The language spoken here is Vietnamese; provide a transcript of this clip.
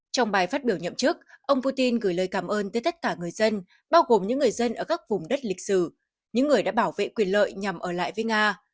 trong bài phát biểu nhậm chức ông putin gửi lời cảm ơn tới tất cả người dân bao gồm những người dân ở các vùng đất lịch sử những người đã bảo vệ quyền lợi nhằm ở lại với nga